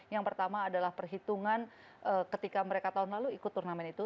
yang pertama adalah perhitungan ketika mereka tahun lalu ikut turnamen itu